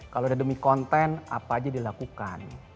kalau udah demi konten apa aja dilakukan